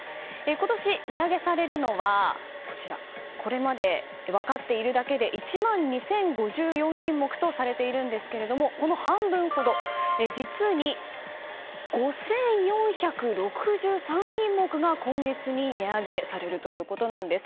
今年値上げされるのはこれまで分かっているだけで１万２０５４品目とされているんですがこの半分ほど実に５４６３品目が今月に値上げされるということなんです。